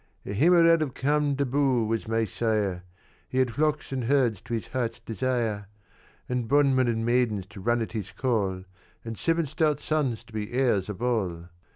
"A Heemraad of Camdebóo was my sire; He had flocks and herds to his heart's desire, And bondmen and maidens to run at his call, And seven stout sons to be heirs of all.